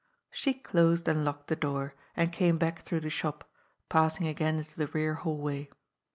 She closed and locked the door, and came back through the shop, passing again into the rear hallway.